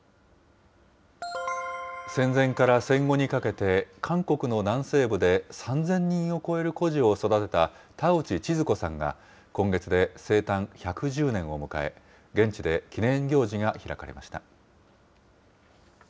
戦前から戦後にかけて、韓国の南西部で３０００人を超える孤児を育てた田内千鶴子さんが今月で生誕１１０年を迎え、現地で記念行事が開かれました。